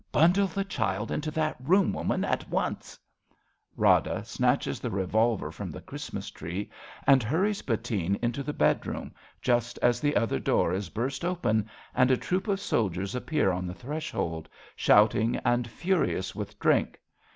Bundle the child Into that room, woman, at once ! (Rada snatches the revolver from the Christmas ti'ee and hurries Bettine into the bedroom just as the other door is burst open and a troop of soldiers appear on the threshold, shouting and furious icith drink.